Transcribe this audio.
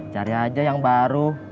cari aja yang baru